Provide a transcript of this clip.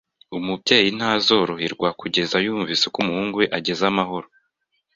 Umubyeyi ntazoroherwa kugeza yumvise ko umuhungu we ageze amahoro.